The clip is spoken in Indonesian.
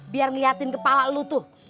biar ngeliatin kepala lu tuh